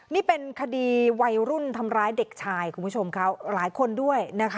นี่เป็นคดีวัยรุ่นทำร้ายเด็กชายหลายคนด้วย